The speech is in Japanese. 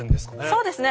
そうですね。